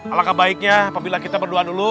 alahkah baiknya apabila kita berdoa dulu